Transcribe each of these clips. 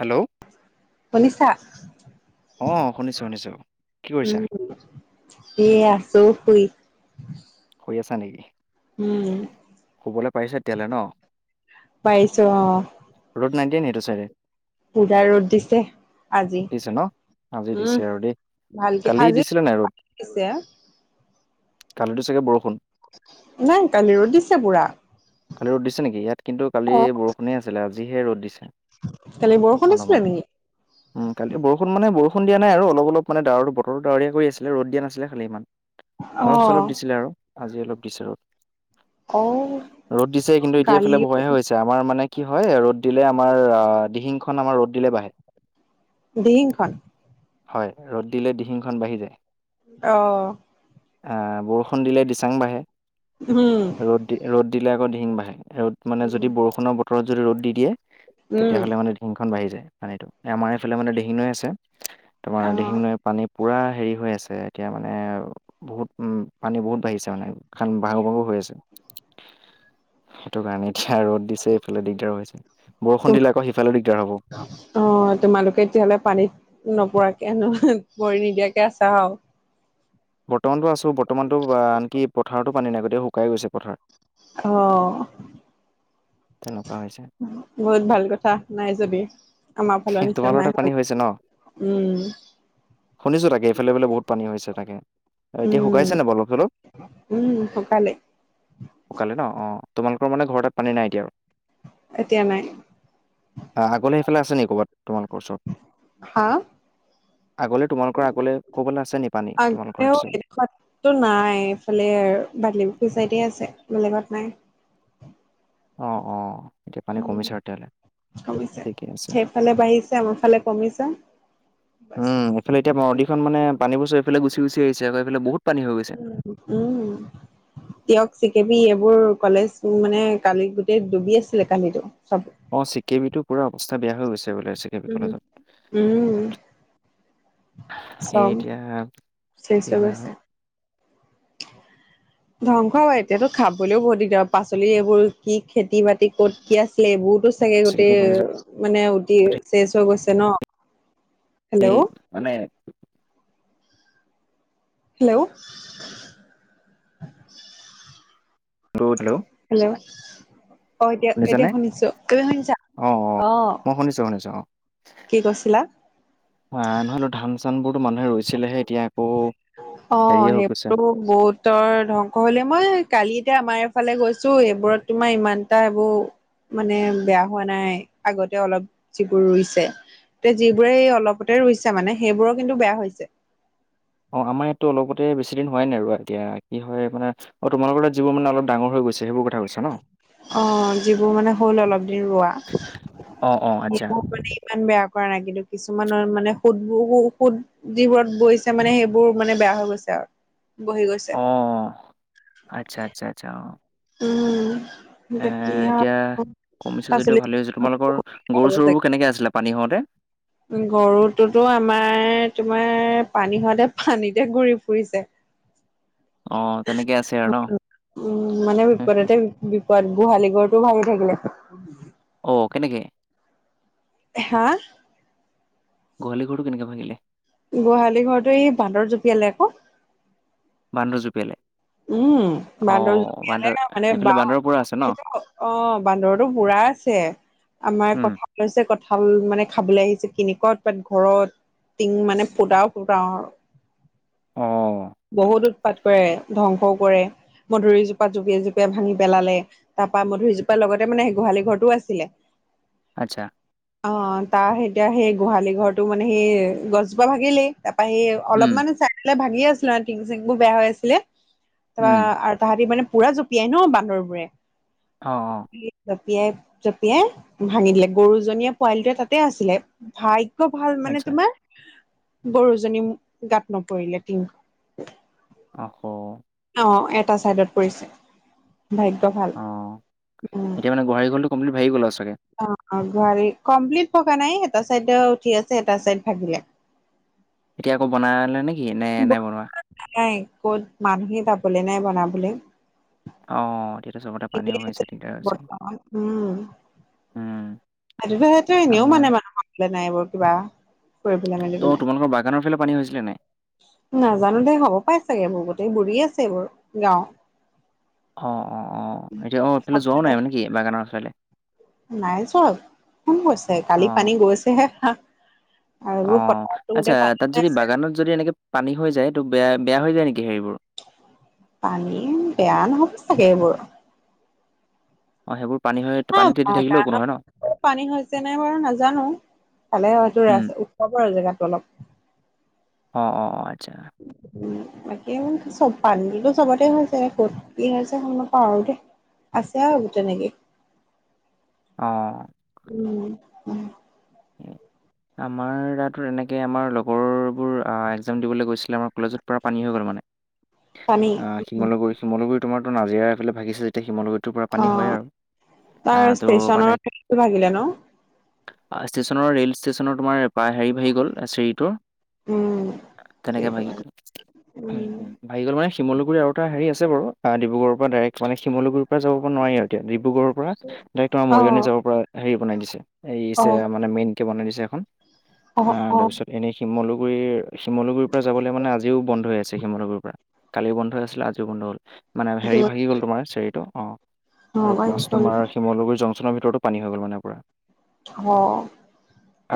Hello শুনিছা? অ', শুনিছোঁ শুনিছোঁ কি কৰিছা? এই আছোঁ শুই। শুই আছা নেকি। উম শুবলৈ পাৰিছা তেতিয়া হ'লে ন। পাৰিছো অ', ৰ'দ নাইদিয়া নি এইটো চাইদে। পোৰা ৰ'দ দিছে। আজি, দিছে ন, আজি উম দিছে আৰু দেই। ভালকে কালি আজি দিছিলে নাই ৰ'দ? দিছে, কালিতটো চাগে বৰষুণ। নাই কালি ৰ'দ দিছে পোৰা। কালি ৰ'দ দিছে নেকি ইয়াত কিন্তু কালি বৰষুণেই আছিলে, আজিহে ৰ'দ দিছে। কালি বৰষুণ অলপমান দিছিলে নেকি? উম কালিটো বৰষুণ মানে, বৰষুণ দিয়া নাই আৰু অলপ অলপ মানে ডাৱৰতো বতৰটো ডাৱৰীয়া কৰি আছিলে ৰ'দ দিয়া নাছিলে খালি ইমান। অলপ অ', চলপ দিছিলে আৰু আজি অলপ দিছে ৰ'দ। অ' ৰ'দ দিছে কিন্তু এতিয়া কালি এফালে বোকাহে হৈছে। আমাৰ মানে কি হয় ৰ'দ দিলে, আমাৰ দিহিং খন আমাৰ ৰ'দ দিলে বাঢ়ে। দিহিংখন হয় ৰ'দ দিলে দিহিংখন বাঢ়ি যায়। অ' বৰষুণ দিলে দিচাং বাঢ়ে। উম্। ৰ'দ দি ৰ'দ দিলে আকৌ দিহিং বাঢ়ে। ৰ'দ মানে, যদি বৰষুণৰ বতৰত যদি ৰ'দ দি দিয়ে। উম, তেতিয়াহ'লে মানে দিহিংখন বাঢ়ি যায়, পানীটো আমাৰ এইফালে মানে দিহিং নৈ আছে। তোমাৰ দিহিং অ'। নৈ পানী পুৰা হেৰি হৈ আছে এতিয়া মানে বহুত উম পানী বহুত বাঢ়িছে মানে কাৰণ বাহু বাহু হৈ আছে। সেইটো কাৰণেই। ৰ'দ দিছে এইফালে দিগদাৰ হৈছে। বৰষুণ দিলে আকৌ সফালে দিগদাৰ হ'ব। অ তোমালোকে তিয়াহলে পানীত নপৰাকে পৰি নিদিয়াকে আছা আও। বৰ্তমানতো আছোঁ বৰ্তমানটো আনকি পথাৰতো পানী নাই গতেই শুকাই গৈছে পথাৰ। অঁ তেনকা হৈছে। বহুত ভাল কথা, নাই যদি। আমাৰ ফালৰ নিচিনা তোমালোকৰ তাত পানী নাই, হৈছে উম্ শুনিছোঁ তাকে এফালে বোলে বহুত পানী হৈছে তাকে, এতিয়া শুকাইছে নাই বাও অলপ-চলপ? উম্ শুকালে। শুকালে ন? অঁ', তোমালোকৰ মানে ঘৰতে পানী নাই এতিয়া আৰু? এতিয়া নাই আ-আগলে সেইফালে আছে নি? তোমালোকৰ ওচৰত। হা আগলে তোমালোকৰ আগলে ক'বালৈ আছে নি পানী, তোমালোকৰ সেইটো চাইডে? তো নাই এইফালে আৰু বালিখুৱা চাইদে আছে বেলেগত নাই। অঁ অঁ। উম, কমিছে, ঠিকে আছে সেইফালে বাঢ়িছে আমাৰ ফালে কমিছে। বাছ উম এইফালে এতিয়া নদীখন মানে পানীবোৰ চব এইফালে গুচি গুচি আহিছে এইফালে বহুত পানী হৈ গৈছে। উম উম্। টীয়ক, চি কে বি এইবোৰ কলেজ মানে কালি গোটেই ডুবি আছিলে কালিটো চব। অ' চি কে বি টো পুৰা অৱস্থা বেয়া হৈ গৈছে বোলে চি কে বি উম কলেজত। উম চব সেই এতিয়া, চেচ কি হৈ হয় আউ! গৈছে ধ্বংস বাৰু এতিয়াতো খাবলৈও বহুত দিগদাৰ পাচলি এইবোৰ কি খেতি-বাতি ক'ত কি আছিলে এইবোৰতো চাগে চি কে বি গোটেই কলেজত মানে উটি চেজ হৈ গৈছে ন? সেই হেল্ল' মানে হেল্ল' ঢৌ দিলৌ হেল্ল' অ এতিয়া, এতিয়া শুনিছো তুমি শুনিছা? অ'। মই শুনিছো কি কৈছিলা? এঁ' নহয়তো ধান-চানবোৰতো মানুহে ৰুইছিলেহে এতিয়া আকৌ অ হেৰিয়ে হৈ গৈছে। সেইবোৰো বহুতৰ ধ্বংস হলে মই কালি এতিয়া আমাৰ এফালে গৈছোঁ এইবোৰত তোমাৰ ইমান টা এবোৰ মানে বেয়া হোৱা নাই, আগতে অলপ যিবোৰ ৰুইছে। ত' যিবোৰে অলপতে ৰুইছে মানে সেইবোৰৰ কিন্তু বেয়া হৈছে। অ' আমাৰ ইয়াততো অলপতে বেছি দিন হোৱাই নাই ৰুৱা এতিয়া কি হয় মানে অ তোমালকৰ তাত যিবোৰ মানে অলপ ডাঙৰ হৈ গৈছে সেইবোৰ কথা কৈ- অ', যিবোৰ মানে হ'ল অলপ দিন ৰোৱা। অ অ আচ্ছা ডিমৌবাৰী ইমান বেয়া কৰা নাই কিন্তু কিছুমানৰ মানে সুত ব-হুত যিবোৰত বৈছে মানে সেইবোৰ মানে বেয়া হৈ গৈছে আউ, বহি গৈছ- অ', আচ্ছা আচ্ছা আচ্ছা অ'। উম্। এ, এতিয়া কমিছে পাচলি যদিও ভালেই হৈছে, তোমালোকৰ গৰু-চৰুবোৰ কেনেকে আছিলে পানী হওঁতে? গৰুটোতো আমাৰ- তোমাৰ পানী হওঁতে পানীতে ঘূৰি ফুৰিছে। অঁ তেনেকে আছে আৰু ন? উম, মানে বিপদতে বিপদ গোহালি ঘৰটোও ভাগি থাকিলে। [inaudible] অ কেনেকে হা গোহালিঘৰটো কেনেকে ভাগিল গোহালি ঘৰতো এই বান্দৰ জপিয়ালে ক বান্দৰ জপিয়ালে। উম, বান্দৰ জপিয়ালে মানে এইফালে বান্দৰ বাঁহ পুৰা আছে ন সেইটোত ক অ বান্দৰটো বুৰা আছে আমাৰ উম ক আছে কঁঠাল মানে খাবলে আহিছে কেনেকোৱা উতপাত ঘৰত টিং মানে ফুতাও ফুতাও অ বহুত উৎপাত কৰে ধ্বংসও কৰে মধুৰীজোপা জপিয়াই জপিয়াই ভাঙি পেলালে তাৰপা মধুৰিজোপাৰ লগতে মানে গোহালি ঘৰটোও আছিলে আচ্ছা অ তাৰ এতিয়া সেই গোহালিঘৰটো মানে সেই গছজোপা ভাগিলেই তাৰপা সেই অলপ উম মানে চাইডলে ভাগি আছিলে টিং চিংবোৰ বেয়া হৈ আছিলে। তাৰপা উম আৰু তাহাঁতি মানে পুৰা জপিয়াই ন বান্দৰবোৰে অ জপিয়াই জপিয়াই ভাঙি দিলে গৰুজনীয়ে পোৱালিটোৱে তাতে আছিলে ভাল অ ভাল মানে আচ্ছা তোমাৰ গৰুজনী গাত নপৰিলে টিং আহ ক অ এটা চাইডত পৰিছে ভাগ্য ভাল অ উম এতিয়া মানে গোহালি ঘৰটো কমপ্লিট ভাগি গ'ল আও চাগে অ অ গোহালি কমপ্লিট ভগা নাই এটা চাইডে উঠি আছে এটা চাইড ভাগিল এতিয়া আকৌ বনালে নে কি নে নাই বনোৱা নাই ক'ত মানুহে পাবলে নাই বনাবলে অ এতিয়াতো চবতে ঠিকে পানীও হৈছে আছে দিগদাৰ হৈছে বৰ্তমান উম আদিবাসীতো এনেও আমাৰ মানে মানুহ পাবলে নাই এইবোৰ কিবা কৰিবলৈ ত' মেলিবলে। তোমালোকৰ বাগানৰ ফালে পানী হৈছিলে নাই নাজানো দেই হব পাই চাগে এইবোৰ গোটেই বুৰি আছে এইবোৰ গাঁও অ অ অ এতিয়া অ এইফালে যোৱাও চবফালে। নাই মানে কি বাগানৰ চাইডে নাই যোৱা কোন গৈছে কালি অ', পানী গৈছেহে আৰু অ এইবোৰ পথাৰতো আচ্ছা গোটেই পানী তাত হৈ যদি আছে। বাগানত যদি এনেকে পানী হৈ যায় ত বেয়া বেয়া হৈ যায় নেকি হেৰিবোৰ পানী বেয়া নহব চাগে এইবোৰ অ সেইবোৰ পানী হৈ এহ পানীত তিতি থাকিলেও একো বাগানত নহয় ন? পানী হৈছে নাই বাৰু নাজানো চালে হয়টো উম, ৰাস্তা উখ হয় জেগাতো অলপ অ অ আচ্ছা উম বাকী চব পানীতো চবতে হৈছে ক'ত কি হৈছে সময় গম নাপাওঁ আৰু দেই আছে আও এবোৰ তেনেকেই অ উম আমাৰ তাতো তেনেকে আমাৰ লগৰবোৰ আ এক্সজাম দিবলে গৈছিলে কলেজত পুৰা পানী হৈ গ'ল মানে পানী অ শিমলুগুৰি চিমলুগুৰি তোমাৰতো নাজিৰা সেইফালে ভাগিছে তে শিমলগুটোৰ পৰা অ পানী হয় আৰু আ তাৰ তো ষ্টেচনৰ মানে হেৰিটো ভাগিলে ন আ ইষ্টেচনৰ ৰেল ইষ্টেচনৰ তোমাৰ। প্ৰায় হেৰি ভাগি গ'ল চিৰিটোৰ উম তেনেকৈ সেইটো ভাগি কাৰণে গ'ল উম ভাগি গ'ল মানে শিমলুগুৰি আৰু এটা হেৰি আছে বাৰু। ডিব্ৰুগড়ৰ পৰা ডাইৰেক্ মানে শিমলুগুৰি পৰা যাব নোৱাৰি আৰু এয়া ডিব্ৰুগড়ৰ পৰা ডাইৰেক্ট তোমাৰ অ মৰিয়নি যাবৰ পৰা হেৰি বনাই দিছে এই অ মানে মেইন কে বনাই দিছে এখন অ আ অ তাৰপিছত এনেই শিমলুগুৰিৰ শিমলগুৰিৰ পৰা যাবলৈ মানে আজিও বন্ধ আছে শিমলগুৰি পৰা কালি বন্ধ হৈ আছিলে আজও বন্ধ হ'ল মানে হেৰি জোৰ ভাগি গ'ল তোমাৰ চেৰিতটো অ', অ আৰু প্লাছ তোমাৰ শিমলুৰি জং চনৰ ভিতৰটো পানী হৈ' গল মানে পোৰা। অ',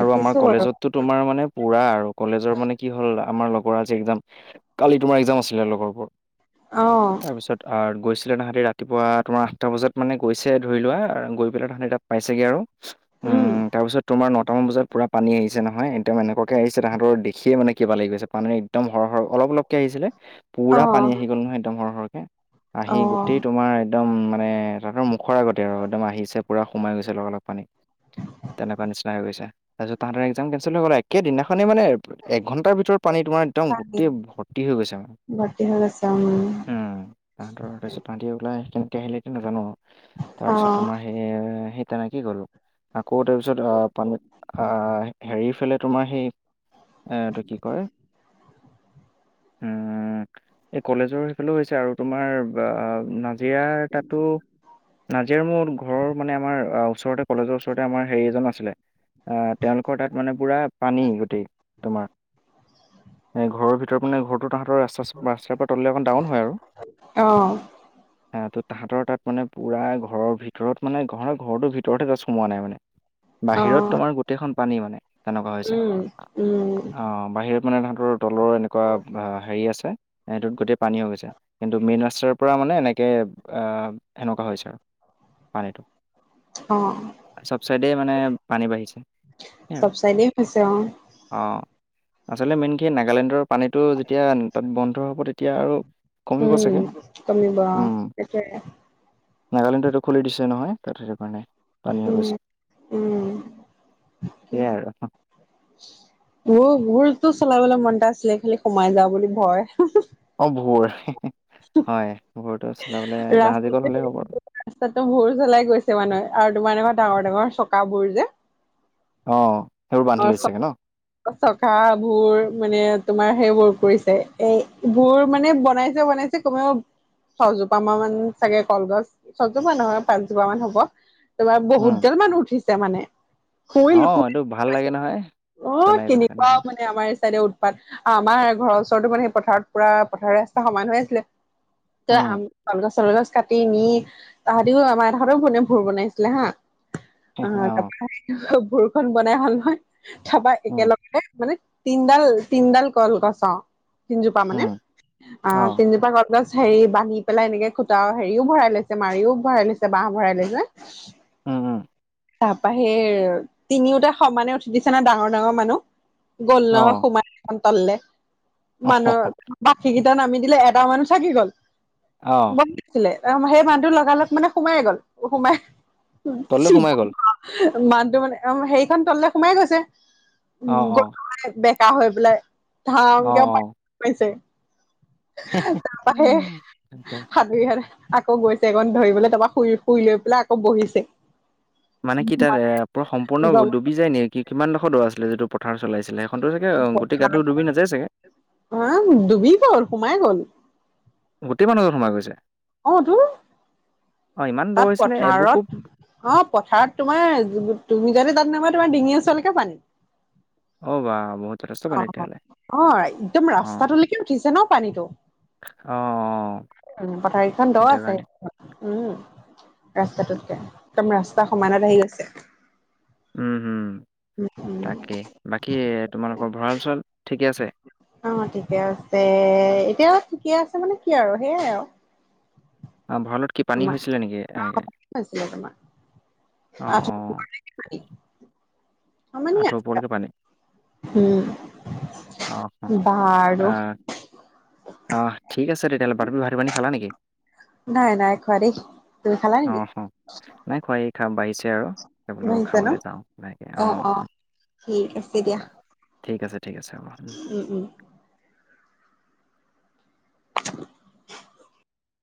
আৰু আমাৰ বাৰু কলেজতো তোমাৰ মানে পুৰা আৰু কলেজৰ মানে কি হ'ল আমাৰ লগৰ আজি একাম কালি তোমাৰ এক্সাম আছিলে লগৰবোৰ অ তাৰপিছত অ গৈছিলে তাহাঁতি ৰাতিপুৱা তোমাৰ আঠটা বজাত মানে গৈছে ধৰি লোৱা গৈ পেলাই তাহাঁতি তাত পাইছেগৈ আৰু উম তাৰপিছত তোমাৰ নটামান বজাত পূৰা পানী আহিছে নহয়। এনেকুৱাকে আহিছে তাহাঁতৰ দেখিয়ে মানে কিবা লাগি গৈছে পানী একদম সৰ সৰ অলপ অলপকে আহিছিলে। অ পূৰা পানী আহি গ'ল নহয় একদম সৰহ সৰহকে আহি অ গোটেই তোমাৰ একদম মানে ততৰ মুখ। খৰ আগতে আৰু একদম আহিছে পুৰা সোমাই গৈছে লগা লগ পানী তেনেকুৱা নিচিনা। ময়গৈছে তাৰপিছত তাহাতৰ এক্সাম কেনচেল হৈ গল আ। একেই দিনাখনেই মানে একঘণ্টাৰ ভিতৰত পানী তোমাৰ একদম গোটেই ভৰ্তি হৈ গৈছে মানে গটেই হয় [unintelligible] তাহাঁতৰ তাৰপিছত তাহাতি ওলাই সেইনেকে আহিলে নাজানো আৰু তাৰ পিছত অ', তোমাৰ সেই সেই তেনে কি গ'লো আকৌ তাৰ পিছত অ। পানীত আ হেৰি ফালে তোমাৰ সেই এ এটো কি কয়। উম এই কলেজৰ সেইফালে হৈছে আৰু তোমাৰ। জীয়াৰ তাতো। নাজিৰাৰ মোৰ ঘৰৰ মানে আমাৰ ওচৰতে কলেজৰ ওচৰতে আমাৰ হেৰি এজন আছিলে। আহ তেওঁলোকৰ তাত মানে পুৰা পানী গোটেই তোমাৰ। এই ঘৰৰ ভিতৰত মানে ঘৰটো তাহাঁতৰ ৰাস্তা ৰাস্তাৰ পৰা তললে অকণ ডাউন হয় আৰু। [inaudible] হ ত' তাহাঁতৰ তাত মানে পুৰা ঘৰৰ ভিতৰত মানে ঘৰৰ ঘৰটোৰ ভিতৰতহে গছ সোমোৱা নাই মানে। বাহিৰত অ', তোমাৰ গোটেইখন পানী মানে তেনেকুৱা হৈছে উম, উম, অ বাহিৰত। মানে তাহতৰ তলৰ এনেকুৱা হেৰি আছে সেইটোত গোটেই পানীও গৈছে কিন্তু মেইন ৰাস্তাৰ পৰা মানে এনেকে আহ সেনেকুৱা হৈছে আৰু। পানীটো অ', চবচাইডে মানে। পানী বাঢ়িছে সেই। চব চাইডে হৈছে অ', অঁ আচলতে মেইন কি নাগালেণ্ডৰ পানীটো যেতিয়া তাত বন্ধ হ'ব তেতিয়া আৰু। কমিব উম, চাগ কমিব অ', উম। সেইটোৱে নাগালেণ্ডটো খুলি দিছে নহয় তাত সেইটোকাৰণে পানী হৈ উম, গৈছে। উম, সেয়াই আৰু। মোৰো ভুৰতো চলাবলৈ মন এটা আছিলে খালি সোমাই যাও বুলি ভয়। অ ভুৰ। [inaudible] হয় ভোৰতো চলাবলে জাহাজী কল হলে হব। ৰাস্তাটো মোৰ জ্বলাই গৈছে মানে আৰু তোমাৰ এনেকুৱা ডাঙৰ- ডাঙৰ চকাবোৰ যে। অঁহ', সেইবোৰ বান্ধি লৈ গৈছে ন। চকা, ভোৰ মানে তোমাৰ সেইবোৰ কৰিছে। এইবোৰ মানে বনাইছে-বনাইছে- কমেও ছজোপা মান চাগে কলগছ ছজোপা নহয়, পাঁচজোপ মান হ'ব। তা'ত বহুতে মানুহ উঠিছে মানে। শুল অঁহ', শুল এইটো ভাল লাগে নহয়। অ চলাই পেলাই কেনেকুৱা তেনেকে মানে- আমাৰ চাইডে উৎপাত। আমাৰ ঘৰৰ ওচৰতো মানে পথাৰত পুৰা পথাৰৰ ৰাস্তা সমান হৈ আছিলে। আম, আম, উম কল গছ, চল গছ কাটি নি- তাহাঁতিও আমাৰ তাহঁতেও বু ভোৰ বনাইছিলে হাঁ। অ অঁহ', তাৰপৰা ভোৰ খন বনাই হ'ল নহয়। থপা উম একেলগে মানে তিনডাল, তিনডাল কলগছ। তিনজোপা মানে। উম অ আহঁ তিনজোপা কল গছ- হেৰি বান্ধি পেলাই এনেকে খুটা হেৰিও ভৰাই লৈছে, মাৰিও ভৰাই লৈছে, বাঁহ ভৰাই লৈছে। উম উম তাৰপা সেৰি তিনিওটা সমানে উঠি দিছে। নিচনা ডাঙৰ-ডাঙৰ মানুহ গ'ল অ নহয় সোমাই এখন তল'লে। মানুহৰ- বাকী কেইটা নামি দিলে, এটা মানুহ থাকি গ'ল। অ সোমাছিলে, ত' সেই মানুহটো লগা-লগ মানে সোমাই গ'ল? সোমাই তললে সোমাই গ'ল মানুহটো মানে অঁ হেৰিখন তল'লে সোমাই গৈছে। অঁহ-অঁহ। পাৰ হৈ পেলাই ধা অ কেও অ পাইছে তাৰ বাহি তাকে সাঁতুৰি পেলাই আকৌ গৈছে এইখন ধৰিবলৈ তাৰপৰা শুই-শুই লৈ পেলাই আকৌ বহিছে। মানে কি তা'ত এ' পুৰা সম্পূৰ্ণ ডুবি যায় নেকি? কিমানডোখৰ দৌ আছিলে যিটো পথাৰ চলাইছিলে। সেইখনটো চাগে গোটেই গাটো ডুবি নাযায় চাগৈ? হাঁ ডুবি গ'ল, সোমাই গ'ল। গোটেই মানুহটো সোমাই গৈছে? অ তো অ' ইমান দ তা'ত হৈছে নে এবুকো পথাৰত। অঁহ', পথাৰত তোমাৰ তুমি যদি জান ন মই তোমাৰ ডিঙিৰ ওচৰলৈকে পানী। অ' বা বহুত। যথেষ্ট পানী অঁহ', তেতিয়াহ'লে। - অঁহ ', -একদম অ' অ' ৰাস্তাটোলৈকে উঠিছে ন পানীটো। অ' উম' পথাৰকেইখন দ' সেইটো আছে। কাৰণে। উম' ৰাস্তাটোকে, একদম ৰাস্তা সমানত আহি গৈছে। উমঁ, হুম। উম। তাকেই। বাকী তোমালোকৰ ভঁৰাল-চৰাল ঠিকে আছে। অঁহ ', -ঠিকে আছে, এতিয়া ঠিকে আছে মানে কি আৰু সেইয়াই আৰু। অঁ ভঁৰালত কি পানী তোমাৰ হৈছিলে নেকি এনেকৈ? হৈছিলে তোমাৰ অঁহ', -অঁহ', -। আঁঠু ওপৰলৈকে পানী। উম। অঁহ', বাৰু -অঁহ', -। অঁহ', ঠিক আছে তেতিয়াহ'লে। বাকী' ভাত-পানী খালা নেকি? নাই-নাই, নাই খোৱা দেই। তুমি খালা নেকি? অ' অ', নাই খোৱা, এই খাম বাঢ়িছে আৰু। বোলো বাঢ়িছে ন খাবলৈ যাওঁ ভাতকে। অ অ অঁহ', ঠিক -ঠিক আছে, ঠিক আছে। হ'ব। উম। উম-উম।